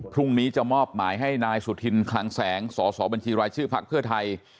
พรุ่งนี้จะมอบหมายให้นายสุธินคลังแสงสสบัญชีรายชื่อพักเพื่อไทย